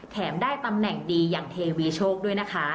ได้ตำแหน่งดีอย่างเทวีโชคด้วยนะคะ